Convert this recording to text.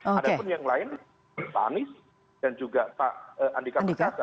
ada pun yang lain pak anies dan juga pak andika perkasa